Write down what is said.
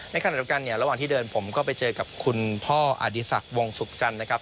ขณะเดียวกันเนี่ยระหว่างที่เดินผมก็ไปเจอกับคุณพ่ออดีศักดิ์วงศุกร์จันทร์นะครับ